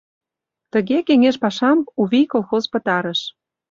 Тыге кеҥеж пашам «У вий» колхоз пытарыш.